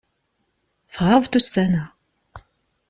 Tɣabeḍ ussan-a.